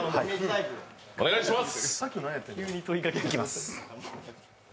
お願いします。